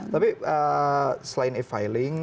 tapi selain e filing